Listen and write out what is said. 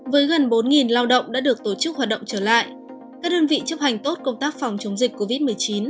với gần bốn lao động đã được tổ chức hoạt động trở lại các đơn vị chấp hành tốt công tác phòng chống dịch covid một mươi chín